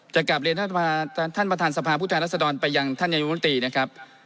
จะกลับเรียนท่านประธานสภาพผู้แทนรัศดรไปยังท่านนายุมนตรีนะครับ